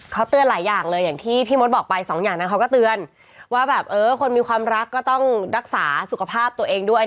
เขาเตือนหลายอย่างเลยอย่างที่พี่มดบอกไปสองอย่างนั้นเขาก็เตือนว่าแบบเออคนมีความรักก็ต้องรักษาสุขภาพตัวเองด้วย